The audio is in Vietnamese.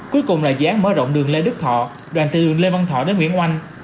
cuối cùng là dự án mở rộng đường lê đức thọ đoàn từ đường lê văn thọ đến nguyễn oanh